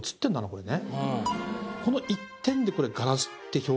これね。